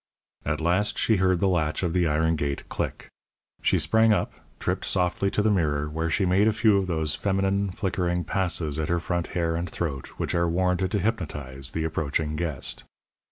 At last she heard the latch of the iron gate click. She sprang up, tripped softly to the mirror, where she made a few of those feminine, flickering passes at her front hair and throat which are warranted to hypnotize the approaching guest.